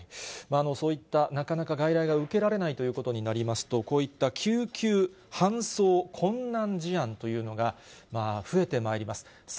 そういったなかなか外来が受けられないということになりますと、こういった救急搬送困難事案というのが増えてまいります。